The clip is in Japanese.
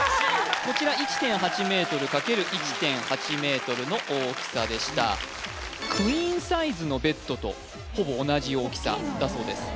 こちら１．８ｍ×１．８ｍの大きさでしたクイーンサイズのベッドとほぼ同じ大きさだそうです